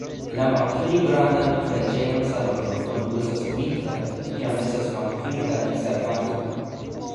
La malpli grandan preĝejan salonon oni uzas vintre, kiam estas malpli da diservantoj.